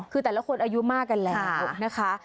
คือแต่ละคนอายุมากกันแล้วนะคะ